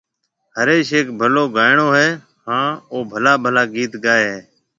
هريش هيَڪ ڀلو گائيڻو هيَ هانَ او ڀلا ڀلا گِيت گائي هيَ۔